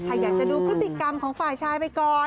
ใครอยากจะดูพฤติกรรมของฝ่ายชายไปก่อน